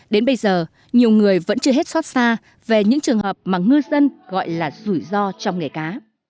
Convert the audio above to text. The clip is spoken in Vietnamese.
đến bây giờ nhiều người vẫn chưa hết xót xa về những trường hợp mà ngư dân gọi là rủi ro trong nghề cá